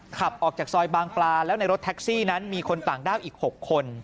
ขับออกจากซอยบางปลาแล้วในรถแท็กซี่นั้นมีคนต่างด้าวอีก๖คน